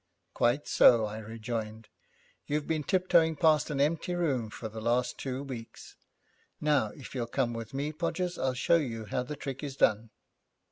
'Quite so,' I rejoined, 'you've been tiptoeing past an empty room for the last two weeks. Now, if you'll come with me, Podgers, I'll show you how the trick is done.'